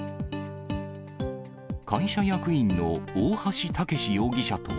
会社役員の大橋剛容疑者と、